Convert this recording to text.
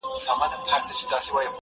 هر موږك سي دېوالونه سوري كولاى!!